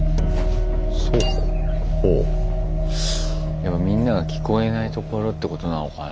やっぱみんなが聞こえない所ってことなのかな。